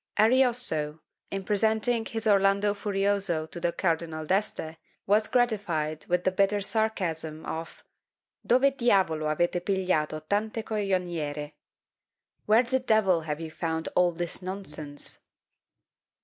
Ariosto, in presenting his Orlando Furioso to the Cardinal d'Este, was gratified with the bitter sarcasm of "Dove diavolo avete pigliato tante coglionerie?" Where the devil have you found all this nonsense?